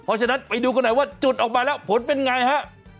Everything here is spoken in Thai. เพราะฉะนั้นไปดูกันหน่อยว่าจุดออกมาแล้วผลเป็นไงฮะ